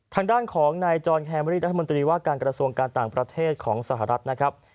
ทางด้านของนายจอนแคมรี่รัฐมนตรีว่าการกระทรวงการต่างประเทศของสหรัฐนะครับ